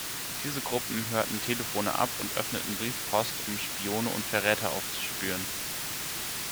Diese Gruppen hörten Telefone ab und öffneten Briefpost, um „Spione und Verräter“ aufzuspüren.